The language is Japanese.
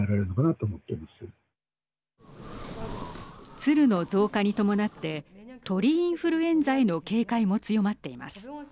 鶴の増加に伴って鳥インフルエンザへの警戒も強まっています。